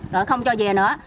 rồi không cho về nữa